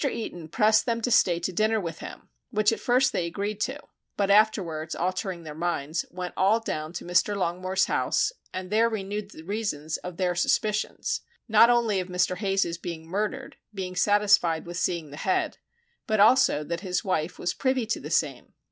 Eaton pressed them to stay to dinner with him, which at first they agreed to, but afterwards altering their minds, went all down to Mr. Longmore's house and there renewed the reasons of their suspicions, not only of Mr. Hayes's being murdered (being satisfied with seeing the head) but also that his wife was privy to the same.